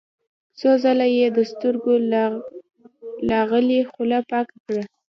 څو ځله يې پر سترګو لاغلې خوله پاکه کړه.